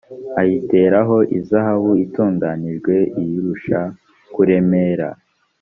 ayiteraho izahabu itunganijwe iyirusha kuremera